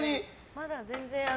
まだ全然。